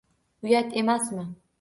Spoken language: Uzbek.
Uyat emasmi!